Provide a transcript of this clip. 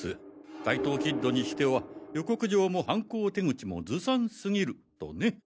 怪盗キッドにしては予告状も犯行手口もずさん過ぎるとね。